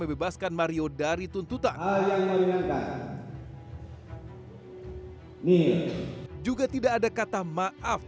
membebaskan mario dari tuntutan yang menginginkan nih juga tidak ada kata maaf